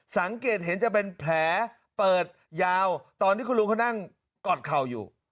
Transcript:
สังเกตเห็นจะเป็นแผลเปิดยาวตอนที่คุณลุงเขานั่งกอดเข่าอยู่